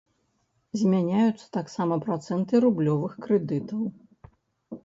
Змяняюцца таксама працэнты рублёвых крэдытаў.